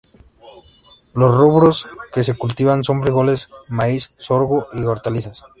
Los rubros que se cultivan son: frijoles, maíz, sorgo y hortalizas.